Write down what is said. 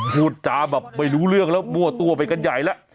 พูดจาแบบไม่รู้เรื่องแล้วมั่วตัวไปกันใหญ่แล้ว